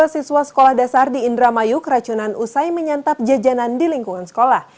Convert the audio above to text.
dua siswa sekolah dasar di indramayu keracunan usai menyantap jajanan di lingkungan sekolah